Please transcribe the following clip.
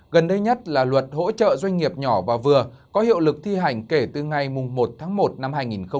gần đây nhất là luật hỗ trợ doanh nghiệp nhỏ và vừa có hiệu lực thi hành kể từ ngày một tháng một năm hai nghìn hai mươi